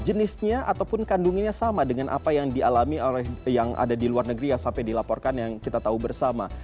jenisnya ataupun kandungannya sama dengan apa yang dialami oleh yang ada di luar negeri ya sampai dilaporkan yang kita tahu bersama